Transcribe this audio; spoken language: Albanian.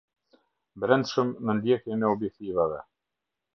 Brendshëm në ndjekjen e objektivave.